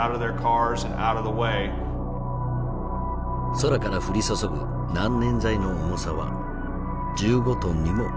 空から降り注ぐ難燃剤の重さは１５トンにも及ぶ。